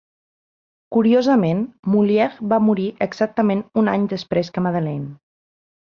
Curiosament, Molière va morir exactament un any després que Madeleine.